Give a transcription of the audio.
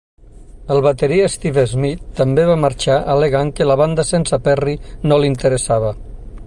El bateria Steve Smith també va marxar al·legant que la banda sense Perry no li interessava.